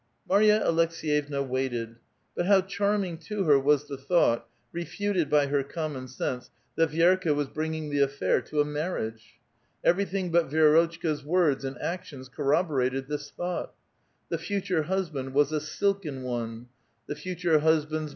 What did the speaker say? Marya Aleks6yevna waited. But how chaiming to her was the thought, refuted by her common sense, that Vi6rka was bringing the affair to a marriage ! Everything but Vi6 rotchka's words and actions corroborated this thought. The future husband was a '' silken one "; the future husband's A VITAL QUESTION.